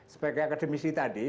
sebagai akademisi tadi